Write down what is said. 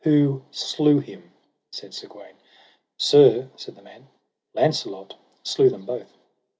Who slew him? said Sir Gawaine. Sir, said the man, Launcelot slew them both.